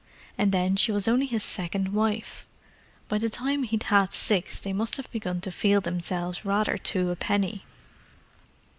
And then she was only his second wife—by the time he'd had six they must have begun to feel themselves rather two a penny!"